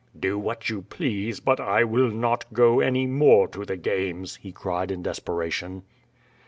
"Do what you please, but I will not go any more to the games," he cried in desperation.